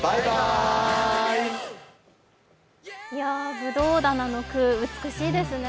葡萄棚の句、美しいですね。